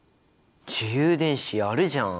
自由電子やるじゃん！